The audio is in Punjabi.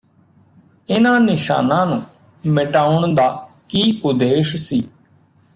ਇਨ੍ਹਾਂ ਨਿਸ਼ਾਨਾਂ ਨੂੰ ਮਿਟਾਉਣ ਦਾ ਕੀ ਉਦੇਸ਼ ਸੀ